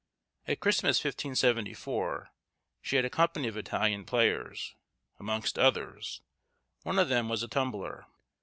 At Christmas 1574, she had a company of Italian players, amongst others, one of them was a tumbler.